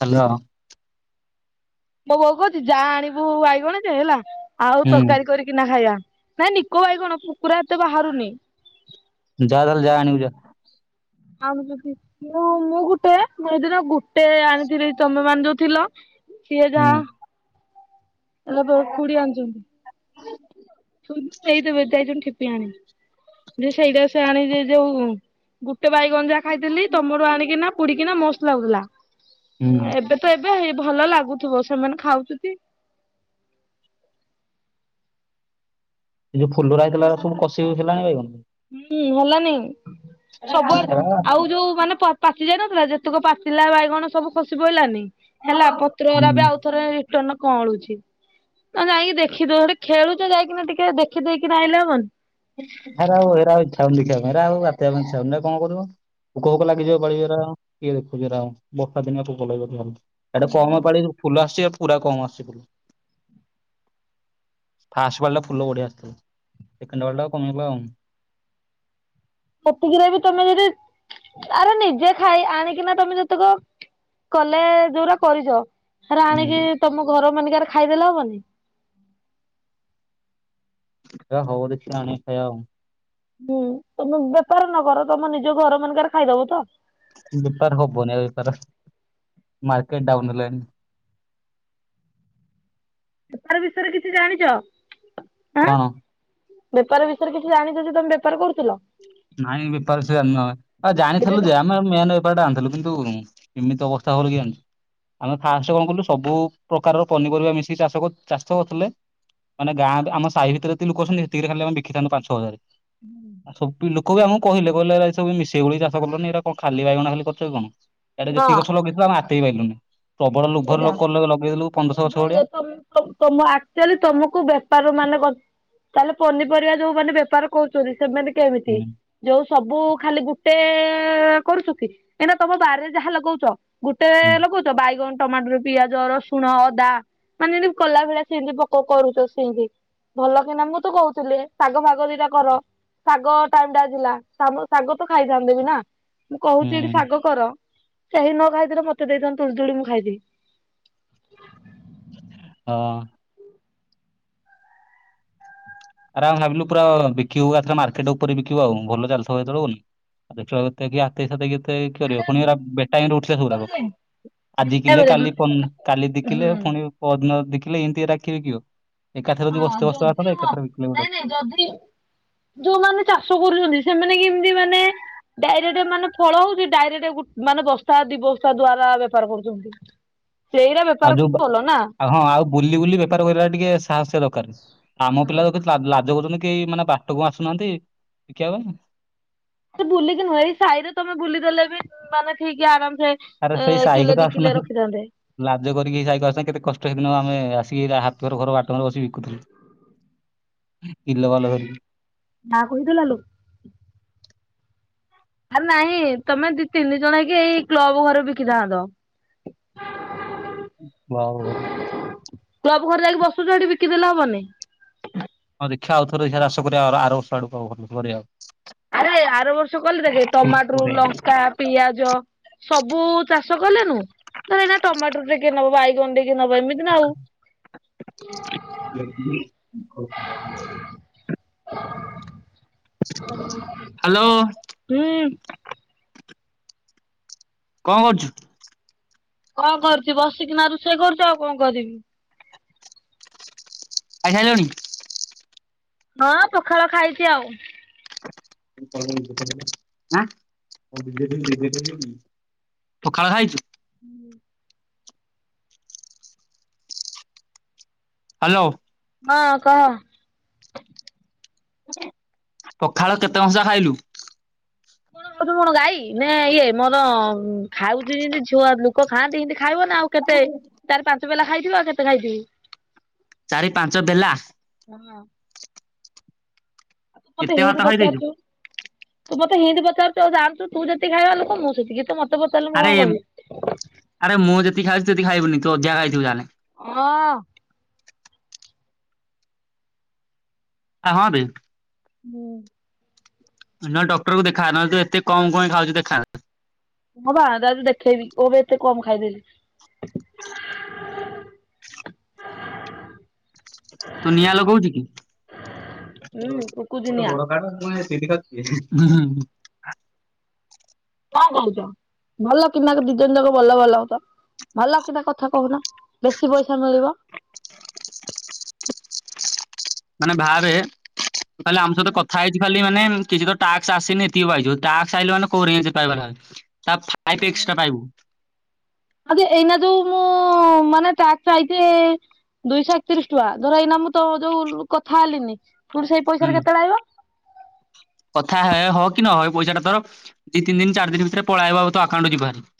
Hello. ମୋ ବୋଉ କହୁଛି ଯା ଆଣିବୁ ବାଇଗଣ ଯେ ହେଲା ଆଉ ହୁଁ ତରକାରୀ କରିକିନା ଖାଇବା। ନାଇଁ ନିକୋ ବାଇଗଣ ଶୁକ୍ରବାର ଏତେ ବାହାରୁନି। ଯା ତାହେଲେ ଯା ଆଣିବୁ ଯା। ଆଣୁଛନ୍ତି। ମୁଁ ମୁଁ ଗୋଟେ ମୁଁ ସେଦିନ ଗୋଟେ ଆଣିଥିଲି, ତମେ ମାନେ ଯେଉଁ ଥିଲ ସିଏ ହୁଁ ଯାହା ଏବେ ଖୁଡି ଆଣୁଛନ୍ତି, ଦେଇଦେବେ ଯାଇଛନ୍ତି ଠିପି ଆଣି ଯେ ସେଇଟା ସେଇ ଆଣିଛି ଯେଉଁ ଗୋଟେ ବାଇଗଣ ଯାହା ଖାଇଥିଲି ତମଠୁ ଆଣିକିନା ପୋଡ଼ିକିନା ମସ୍ତ ଲାଗୁଥିଲା। ହୁଁ ଏବେ ତ ଏବେ ହେଇ ଭଲ ଲାଗୁଥିବ ସେମାନେ ଖାଉଛନ୍ତି। ଏ ଯେଉଁ ଫୁଲରା ହେଇଥିଲା ସବୁ କଷି ଥିଲା ହେଲାଣି ବାଇଗଣ। ହୁଁ ହେଲାନି ସବୁଆଡ଼େ ହେରା ଆଉ ଯେଉଁମାନେ ପାଚି ଯାଇନଥିଲା ଯେତେକ ପାଚିଲା ବାଇଗଣ ସବୁ ଖସି ପଡ଼ିଲାଣି ହେଲା। ପତ୍ରରା ହୁଁ ବି ଆଉଥରେ [unintelligible] କଅଁଳୁଛି। ଯାଇକି ଦେଖିଦିଅ ହେଠି ଖେଳୁଛ ଯାଇକିନା ଟିକେ ଦେଖିଦେଇକିନା ଆଇଲେ ହେବନି। ହେରା ଆଉ ହେରା ଆଉ ଇଚ୍ଛା ହେଉନି ଦେଖିବା ପାଇଁ ହେରା ଆଉ ବାତିବା ପାଇଁ ଇଚ୍ଛା ହେଉନି ହେରା କଣ କରିବ। ପୋକୋ ବୋକ ଲାଗିଯିବ ପାଳିଗୁରା କିଏ ଦେଖୁଛି ହେରା ଆଉ ବର୍ଷା ପୋକ ଲାଗେ। ହେଟା କମପାଳିରୁ ଫୁଲ ଆସୁଛି ପୁରା କମ ଆସୁଛି ଫୁଲ। ଫାଷ୍ଟପାଳିଟା ଫୁଲ ବଢ଼ିଆ ଆସିଥିଲା। କେଣ୍ଡେଲା କମିଗଲା ଆଉ। ହେତିକିରେ ବି ତମେ ଯଦି ଆରେ ନିଜେ ଖାଇ ଆଣିକିନା ତମେ ଯେତେକ କଲେ ଯୋଉଟା କରିଛ, ହେରା ଆଣିକି ହୁଁ ତମ ଘରମାନକରେ ଖାଇଦେଲେ ହେବନି। ହେରା ହଉ ଦେଖିବା ଆଣିବା ଖାଇବା ଆଉ। ହୁଁ ତମେ ବେପାର ନ କର ତମ ନିଜ ଘରମାନଙ୍କରେ ଖାଇଦେବ ତ। ବେପାର ହେବନି ବେପାର ମାର୍କେଟ ଡାଉନ ହେଲାଣି। ବେପାର ବିଷୟରେ କିଛି ଜାଣିଛ। କଣ? ବେପାର ବିଷୟରେ କିଛି ଜାଣିଛ ଯେ ତମେ ବେପାର କରୁଥିଲ। ନାଇଁ ବେପାର କିଛି ଜାଣିନୁ ଆମେ ଜାଣିଥିଲୁ ଯେ ଆମେ ମାନେ ବେପାର ଟେ ଆଣିଥିଲୁ କିନ୍ତୁ ଏମିତି ଅବସ୍ଥା ହେବ ବୋଲି କି ଜାଣିଥିଲୁ। ଆମେ ଫାଷ୍ଟ କଣ କଲୁ ସବୁ ପ୍ରକାରର ପନିପରିବା ମିଶି ଚାଷ ଚାଷ କରୁଥିଲେ। ମାନେ ଗାଁ ଆମ ସାହି ଭିତରେ ଯେତେ ଲୋକ ଅଛନ୍ତି ସେତିକିରେ ଖାଲି ଆମେ ବିକିଥାନ୍ତୁ ପାଞ୍ଚ ଛଅ ହଜାର। ଲୋକ ବି ଆମକୁ କହିଲେ କହିଲେ ସବୁ ମିଶେଇ ଗୋଳେଇ ଚାଷ କଲନି ଏଇରା କଣ ଖାଲି ବାଇଗଣ ଖାଲି କରୁଛ କି କଣ। ଏଇଟା ହଁ ଯେତିକି ଗଛ ଲଗେଇଥିଲୁ ଆମେ ଆଟେଇ ବି ପାଇଲୁନୁ। ପ୍ରବଳ ଲୋଭରେ ସେଇଟା। ଲୋକ ଲଗେଇକି ପନ୍ଦରଶହ ଗଛ ଭଳିଆ ଲୁଭେଇବେ ତମ ତମ ଆକ୍ଚୁଆଲି ତମକୁ ବେପାର ମାନେ ତାହଲେ ପନିପରିବା ଯେଉଁମାନେ ବେପାର କରୁଛନ୍ତି ସେମାନେ କେମିତି। ହୁଁ ଯୋଉ ସବୁ ଖାଲି ଗୋଟେ କରୁଛନ୍ତି କାହିଁକିନା ତମ ବାରିରେ ଯାହା ଲଗଉଛ ଗୋଟେ ହୁଁ ଲଗଉଛ ବାଇଗଣ, ଟମାଟର, ପିଆଜ, ରସୁଣ, ଅଦା ମାନେ ଏମିତି କଲା ଭଳିଆ ସେମିତି ପୋକ କରୁଛ ସେମିତି। ଭଲକିନା ମୁଁ ତୁ କହୁଥିଲି ଶାଗଫାଗ ଦୁଇଟା କର। ଶାଗ ଟାଇମ ଟା ଥିଲା ଶାଗ ତ ଖାଇଥାନ୍ତେ ବି ନା। ମୁଁ କହୁଛି ଏଠି ହୁଁ ଶାଗ କର କେହି ନ ଖାଇଥିଲେ ମତେ ଦେଇଥାନ୍ତ ତୁଳିତୁଳି ମୁଁ ଖାଇଦେବି। ହଁ। ଆରେ ଆମେ ଭାବିଲୁ ପୁରା ବିକିବୁ ହଁ ମାର୍କେଟ ଉପରେ ବିକିବୁ ଆଉ। ଭଲ ଚାଷ ହୋଇଥିବା ବୋଲି ଦେଖିଲା ବେଳକୁ କି ଆ ହାତେଇବ କିଏ କରିବ ପୁଣି ହେରା ବେଟାଇମରେ ଉଠିଲେ ସବୁରାକ। ଆଜି କିଲେ କାଲି ଖାଇଦେବି କାଲି ଦୁଇ କିଲେ ହୁଁ ପୁଣି ପରଦିନ ଦୁଇକିଲେ ଏମିତି ଏରା କିଏ ବିକିବ। ଏକାଥରେ ଯଦି ବସ୍ତେ ବସ୍ତେ ଆସନ୍ତା ଏକାଥରେ ଗୋଟେ ନାଇଁ ନାଇଁ ଯଦି ଯୋଉମାନେ ଚାଷ କରୁଛନ୍ତି ସେମାନେ କେମିତି ମାନେ ଡାଇରେକ୍ଟ ମାନେ ଫଳ ହଉଛି ଡାଇରେକ୍ଟ ମାନେ ବସ୍ତା ଦି ବସ୍ତା ଦ୍ଵାର ବେପାର କରୁଛନ୍ତି। ସେଇରା ଆଉ ବେପାର ଯୋଉ ବା କଲ ନା। ଆଉ ହଁ ଆଉ ବୁଲି ବୁଲି ବେପାର କରିବା ଟିକେ ସାହସ ଦରକାର ଆମ ହଁ। ପିଲା ତ ଲାଜ କରୁଛନ୍ତି କି ମାନେ ବାଟକୁ ଆସୁନାହାନ୍ତି ଶିଖିବା ପାଇଁ। ସେ ବୁଲିକି ନୁହେଁଇ ସାହିରେ ତମେ ବୁଲିଦେଲେ ବି ମାନେ ଠିକି ଆରାମ ଯ ଆରେ ସେଇ ଏ ସାହିକୁ କିଲେ ତ ଦି କିଲେ ଆସୁନାହାନ୍ତି। ରଖିଥାନ୍ତେ। ଲାଜ କରିକି ସାଇକ ଆସ କେତେ କଷ୍ଟ ହେଇଦିନ ଆମେ ଆସିକି ହାତର ଘର ବାଟ କରେ ବିକି ବିକୁଥିଲୁ। ଇିଲ ଭଲ ହେିଲ [unintelligible] କାହାକୁ ହୋଇହି ଥିଲାଲୋ। ଆରେ ନାଇଁ ତମେ ଦି ତିନି ଜଣ ହେଇକି ଏଇ କ୍ଲବ ଘରେ ବିକିଥାନ୍ତ। କ୍ଲବଘର। କ୍ଲବ ଘରେ ଯାଇକି ବସୁଛ ସେଠି ବିକିଦେଲେ ହବନି। ହଁ ଦେଖିବା ଆଉଥରେ ସେ ଚାଷ କରିବାଉ ଆର ବର୍ଷ ଆଡକୁ ଆ ଭଲ ଆଉ ଆରେ ଆର ବର୍ଷ କଲେ ଦେ ଟମାଟର ଲଙ୍କା ପିଆଜ ସବୁ ଚାଷ କଲେନୁ ନା ଏାଇ ନା ଟମାଟର ଟେ ନବ ବାଇଗଣ ଟକେ ନବ ଏମିତି ନା ଆଉ। [unintelligible] ହଁ। ହ୍ୟାଲୋ। ହୁଁ। କଣ କରୁଛୁ? କଣ କରୁଛି ବସିକି ନା ରୋଷେଇ କରୁଛି ଆଉ କଣ କରିବି। ଖାଇ ସାଇଲନି। ହଁ ପଖାଳ ଖାଇଛି ଆଉ। [unintelligible] ପଖାଳ ଖାଇଛୁ। ହୁଁ। ହ୍ୟାଲୋ। ହଁ କହ। ପଖାଳ କେତେ କଂସା ଖାଇଲୁ? ଣ ଗାଈ ନ ଇଏ ମୋର ଖାଉଛି ଯେମିତି ଛୁଆ ଲୋକ ଖାଆନ୍ତି ସେମତି ଖାଇବ ନା ଆଉ। କେତେ ଚାରି ପାଞ୍ଚ ବଲା ଖାଇଥିବ ଆଉ କେତେ ଖାଇଥିବି? ଚାରି ପାଞ୍ଚ ବେଲା। ହଁଁ। ଆଉ ତୁ ମତେ ଏତେ ଭାତ ହେଇଠ ଖାଇଦେଇଛୁ ପଚାରୁଛୁ। ତୁ ମତେ ହେିତି ପଚାରୁଛୁ ଆଉ ଯାଆଛୁ ତୁ ଯେତିକି ଖାଇବା ଲୋକ ମୁଁ ସେତିକି ତ ମତ ପଚିଲୁ ମୁ ଆରେ କଣ କହିବି? ଆରେ ମୁଁ ଯେତିି ଖାଉଛି ସେତିି ଖାଇବୁନି ତୁ ଅଧା ଖାଇଥିବୁ ଯାହାହେଲେ। ହଁ। ହଁ ବେ। ହୁଁ। ନା ଡକ୍ଟର କଙ୍କୁ ଦେଖାହାୁ ଏତେ କମ ଖାଉଛି ଦେଖା। ହଁ ପା ଯାଉଛି ଦେଖେଇବି ଓ ବି ଏଥେ କମ ଖାଇଦେଲି। ହ [unintelligible] ତୁ ନିଆଁ ଲଗଉଛି କି ହୁଁ କୁକୁଦିନିଆ। ଗୋଟେ ବ କ [unintelligible] ସେ [unintelligible] କଣ କହୁଛ ଭଲ ବିନାକ ଦି ଜଣ ଯାକ ଭଲ ଭଲ ହଉଛ। ଭଲ କିନା କଥା କହୁନା ବେଶୀ ପଇସା ମିଳିବ। ମାନେ ଭାବେ ଆମ ସହିତ ହୁଁ କଥା ହେଇଛି ଖାଲି ମାନେ କିଛି ଟାସ୍କ ଆସିିନି [inaudible] ଟାସ୍କ ଆସିଲା ମାନେ କୁଆଡେ କିଛି ପାଇବନି। ପାଇପ ଏକ୍ସଟ୍ରା ପାଇବୁ। ଏବେ ଏଇନା ଜୋଉ ମୁଁ ମାନ ଟ୍ୟାକ୍ସ ଆଇଚି। ଦୁଇଶହ ଏକତିରିଶ ଟଙ୍କା। ଧର ଏଇନା ମୁଁ ତ ଯୋଉ କଥା ହେଲିନି ପୁଣି ସେଇ ପଇସା ହୁଁ ଟା କେତେବେଳେ ଆଇିବ? କଥା ହେ ହ କି ନ ହ ଏ ପଇସା ଟା ତୋର ଦି ତିନି ଦିନ ଚାରି ଦିନ ଭିତରେ ପଳେଇ ଆଇବ ତୋ ଆକାଉଣ୍ଟରେ ଯିବ ଭାରି।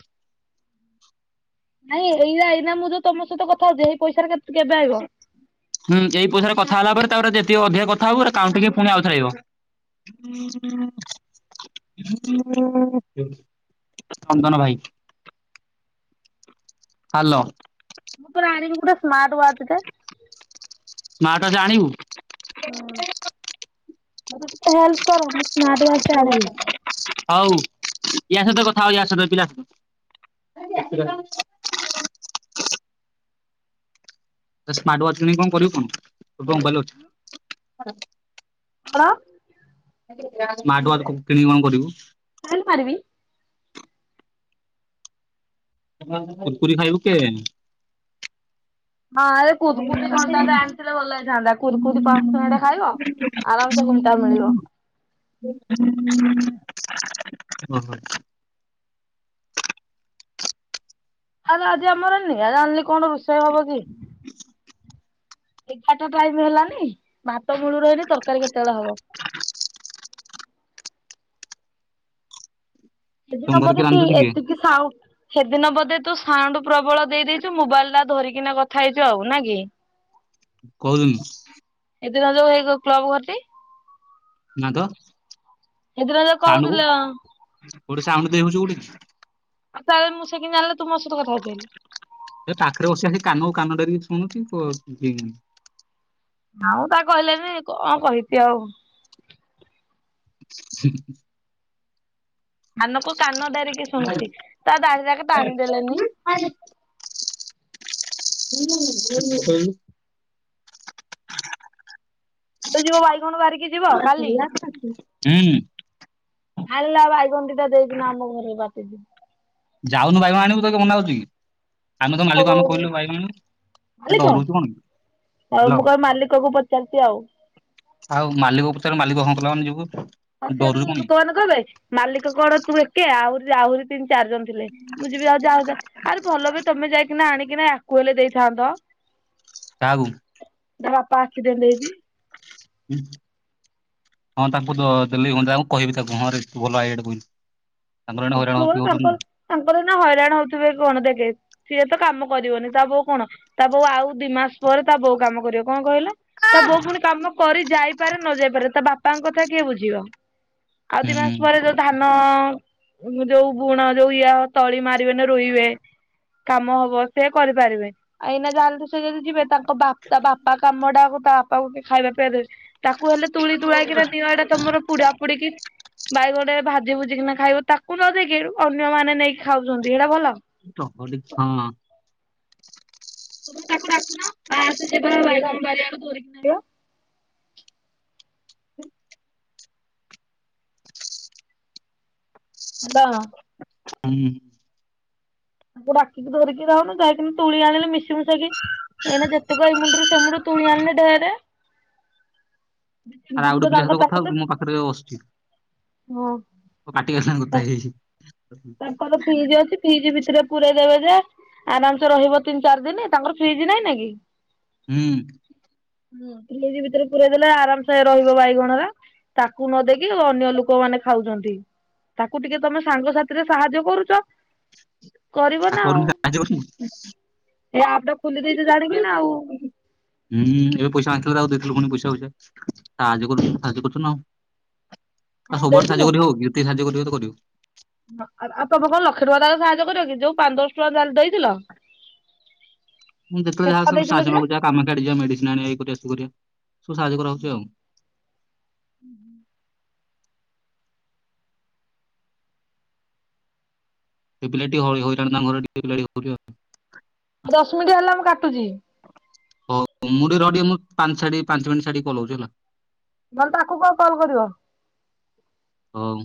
ନାଇଁ, ଏଇା ଏଇନା ମୁଁ ଯୋଉ ତମ ସହିତ କଥା ହଉଥିଲି ଏଇ ପଇସା ଟା କେବେ ଆଇିବ? ହୁଁ, ଏଇ ପଇସାରେ କଥା ହେଲା ପରେ ତାପରେ ଯେତିକ ଅଧିକ କଥା ହବୁ କାଉଣ୍ଟିଙ୍ଗ ହେଇ ପୁଣି ଆଉ ଥରେ ଆଇବ। ହୁଁ ହୁଁ। ମୋ ଚନ୍ଦନ ଭାଇ। ହାଲୋ। ତୋର ଆଣିବୁ ଗୋଟେ ସ୍ମାର୍ଟ ୱାଚ ଟେ। ସ୍ମାର୍ଟ ୱାଚ ଆଣିବୁ? ହୁଁ ମତେ ଟିକେ ହେଲ୍ପ କର ସେ ଜତ ହଉ ୟା ସହିତ କଥା ହ ୟା ସହିତ ଏ ପିଲା ସହିତ। ସ୍ମାର୍ଟ ୱାଚ ନେଇକି କଣ କରିବୁ କଣ? ତୋର ତ ମୋବାଇଲ୍ ଅଛି। କଣ? ସ୍ମାର୍ଟ ୱାଚ କିଣିକି କଣ କରିବୁ? ଷ୍ଟାଇଲି ମାରିବି। କୁରକୁରି ଖାଇବୁ କେ? ହଁ ଏ କୁରକୁରି ଘଣ୍ଟା ଟା ଆଣିଥିଲେ ଭଲ ହେଇଥାଆନ୍ତା କୁରୁକୁରି ପାଞ୍ଚ ଟଙ୍କିଆ ଟେ ଖାଇବ। ଆରାମ ସେ ଘଣ୍ଟା ମିଳିବ। ଓ ହୋ। ଆରେ ଆଜି ଆମର ନିଆଁ ଜଳୁନି କଣ ରୋଷେଇ ହବ କି? ଏଗାରଟା ଟାଇମ ହେଲାନି। ଭାତ ମୂଳୁରୁ ହେଇନି ତରକାରୀ କେତେବେଳେ ହବ? [unintelligible] ତମ ସେଦିନ ବ ଘରେ କିଏ ତୁ ରାନ୍ଧୁଛି କିଏ? ଏତିକି ସାଉ [unintelligible] ସେଦିନ ବୋଧେ ତୁ ସାଉଣ୍ଡ ପ୍ରବଳ ଦେଇ ଦେଇଇଛୁ ମୋବାଇଲ ଟା ଧରିକି କଥା ହେଇଛୁ ଆଉ ନା କି? କୋଉଦିନ। ହେଦିନ ଯୋଉ ହେଇ କ୍ଲବ ଘରଟି। ନା ତ, ସେଦିନ ଯୋଉ ସାଉଣ୍ଡ କହୁଥିଲ। ଆଉ କୋଉ ଟି ସାଉଣ୍ଡ ଦେଇ ହଉଛି କୋଠି। ଆଉ ମୁଁ ସେ କେମିତି ଜାଣିଲା ତୁ ମୋ ସହିତ କଥା ହଉଚୁ ବୋଲି? ଏ ପାଖରେ ବସି ଆସି କାନକୁ କାନ ଡରକି ଶୁଣୁଛି। [unintelligible] ଆଉ ତା କହିଲେନି କଣ କହିବି ଆଉ? ସେ କାନକୁ କାନ ଡେରିକି ଶୁଣୁଛି ତା, ଦାଢି ଯାକ ଟାଣିଦେଲେନି? [unintelligible] [unintelligible] ତୁ ଯିବୁ ବାଇଗଣ ବାରିକି? ଯିବ କାଲି [inaudible] ହୁଁ। ଆଣିଲେ ବାଇଗଣ ଦିଟା ଦେଇିକି ନା ଆମ ଘର ବାଟେ। ଯାଉନୁ ବାଇଗଣ ଆଣିବୁ ତତେ କିଏ ମନା କରିଚି କି। ଆମେ ତ ମାଲିକ ଆମେ କହିଲୁ ବାଇଗଣ ମାଲିକ ଆଣିବୁ ଆଉ ଡରୁଚୁ କଣ କି? ଆଉ ହ୍ୟାଲୋ ମୁଁ କଣ ମାଲିକ କୁ ପଚାରିଛି ଆଉ? ଆଉ ମାଲିକ ପଚାରିବୁ ମାଲିକ ହଁ କଲା ମାନେ ଯିବୁ ଆଉ। ହଁ ସେଇଠୁ ଲୋକମାନେ କହିବେ, ମାଲିକ କଣ ତୁ ଏକେ ଆହୁରି ଆହୁରି ତିନି ଚାରି ଜଣ- ଥିଲେ ମୁଁ ଯିବି ଆଉ ଯାଉ ଆରେ ଭଲ ବି ତମେ ଯାଇକିନା ଆଣିକିନା ଆକୁ ହେଲେ ଦେଇଥାନ୍ତ। କାହାକୁ? ଯାହା ବାପା ଆକ୍ସିଡେଣ୍ଟ ହେଇଛି। ହୁଁ ହଁ ତାଙ୍କୁ ଦ ଦେଲେ କହିବି ତାଙ୍କୁ ହଁ ରେ ତୁ ଭଲ ଆଇଡିଆଟେ କହିଲୁ। ତାଙ୍କର ଏଇନେ ହଇରାଣ ପୁଅ ହଉଚି ହଉଛନ୍ତି ନା। ତାଙ୍କର ତାଙ୍କର ଏଇନା ହଇରାଣ ହଉଥିବେ କଣ ଦେଖେ? ସିଏ ତ କାମ କରିବନି ତା ବୋଉ କଣ ତା ବୋଉ ଆଉ ଦି ମାସ ପରେ ତା ବୋଉ କାମ କରିବ କଣ କହିଲେ? ତା ବୋଉ ପୁଣି କାମ କରି ଯାଇପାରେ ନ ଯାଇପାରେ ତା ବାପାଙ୍କ କଥା କିଏ ବୁଝିବ? ଆଉ ଦିଇ ମାସ ପରେ ହୁଁ ଯୋଉ ଧାନ ଯୋଉ ବୁଣ ଯୋଉ ଇଏ ତଳି ମାରିବେନି ରୁଁଇବେ। କାମ ହବ ସେ କରିପାରିବେ ଆଉ ଏଇନା ଯାହେଲେ ବି ସେ ଯଦି ଯିବେ ତାଙ୍କ ବାପା ବାପା କାମଟାକୁ ତା ବାପାକୁ କି ଖାଇବା ପିଇବା ଦେବେ। ତାକୁ ହେଲେ ତୁଳି ତୁଳାକିନା ଦିଅ ଏଡେ ତମର ପୁଡାପୋଡିକି ବାଇଗଣଟେ ଭାଜି ଭୁଜିି କିନା ଖାଇବ। ତାକୁ ନ ଦେଇକି ଅନ୍ୟମାନେ ନେଇକି ଖାଉଛନ୍ତି ସେଇଟା ଭଲ? [unintelligible] ତମେ ତାକୁ ଡାକୁନ ଆସେ ଯିବା ବାଇଗଣ ବାରିଆଡକୁ ଧରିକି ଆଣିବ। [inaudible] ହାଲୋ ହୁଁ। ତାଙ୍କୁ ଡାକି ଧରିକି ରହୁନୁ ଯାଇକିୁ ତୁଳି ଆଣିଲେ ମିଶି ମିଶାକି ଏଇନା ଯେତକ ଏଇମୁଣ୍ଡରୁ ସେମୁଣ୍ଡ ତୁଣି ଆଣିଲେ ଢେରେ। ଦ ତିନି ଆରେ ଆଉ ଦିନ ଗୋଟେ ତ ପିଲା ସହିତ କଥା ତାଙ୍କ ହଉଚି ମୋ ପାଖରେ [inaudible] ହଁ। ପାଟିଙ୍କ ସାଙ୍ଗେ କଥା ହେଇଯାଇଛି। ତାଙ୍କର ଫ୍ରିଜ୍ ଅଛି ଫ୍ରିଜ ଭିତରେ ପୁରେଇ ଦେବେ ଯେ ଆରାମ ସେ ରହିବ ତିନି ଚାରି ଦିନ ତାଙ୍କର ଫ୍ରିଜ ନାଇଁ ନାଇ କି? ହୁଁ। ହଁ ଫ୍ରିଜ୍ ଭିତରେ ପୁରେଇ ଦେଲେ ଆରାମସେ ରହିବ ବାଇଗଣରେ। ତାକୁ ନ ଦେଇକି ଅନ୍ୟ ଲୋକମାନେ ଖାଉଛନ୍ତି ତାକୁ ଟିକେ ତମେ ସାଙ୍ଗସାଥି ସେଥିରେ ସାହାଯ୍ୟ କରୁଛ। କରିବ ନା ଆଉ। କରୁନୁ ସାହାଯ୍ୟ କରୁନୁ। ଏ ଆପଟା ଖୋଲି ଦେଇଛି ଜାଣିକି ନା ଆଉ। ହୁଁ ଏବେ ପଇସା ମାଗିଥିଲା ଦେଇଥିଲୁ ପୁଣି ପଇସା ଫଇସା ସାହାଯ୍ୟ କରୁଛୁ ସାହାଯ୍ୟ କରୁଛୁ ନା ହଁ ଆଉ ସବୁବେଳେ ଦେଇଥିଲ ସାହାଯ୍ୟ କରିହବ କି ଯେତିକି ସାହାଯ୍ୟ କରିବା କଥା କରିବୁ। ହଁ ଆଉ ତମେ କଣ ଲଖେ ଟଙ୍କା ତାର ସାହାଯ୍ୟ କରିବ କି? ଯୋଉ ପାଞ୍ଚ ଦଶ ଟଙ୍କା ଦେଇଥିଲ। ମୁଁ ଯେତେବେଳେ କେତେ ଯାହା ଟଙ୍କା ଦେଇଥିଲ ସାହାଯ୍ୟ କିରେ ମାଗୁଛି କାମ ଛାଡି ଯିବା ମେଡିସିନ ଆଣିବ ଇଏ କରିବ ସବୁ ସାହାଯ୍ୟ କରାହଉଛି ଆଉ ହୁଁ ହୁଁ। ସେଇ ପିଲାଟି ହଇରାଣ ହଉଛି [unintelligible] ଦଶ ମିନିଟ୍ ହେଲା ମୁଁ କାଟୁଛି। ହଉ ମୁଁ ଟିକେ ରହ ଟିକେ ମୁଁ ପାଞ୍ଚ ଛାଡ଼ି ପାଞ୍ଚ ମିନିଟ ଛାଡ଼ି କଲ କରୁଛି ହେଲା। ନହେଲେ ତାକୁ କହ କଲ୍ କରିବ। ହଉ।